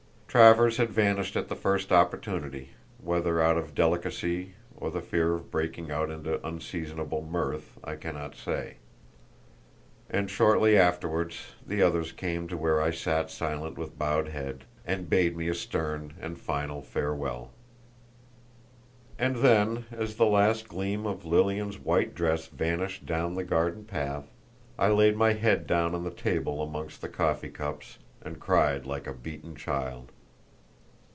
Travers had vanished at the first opportunity—whether out of delicacy, or the fear of breaking out into unseasonable mirth, I cannot say; and shortly afterward the others came to where I sat silent with bowed head, and bade me a stern and final farewell. And then, as the last gleam of Lilian's white dress vanished down the garden path, I laid my head down on the table among the coffee cups, and cried like a beaten child.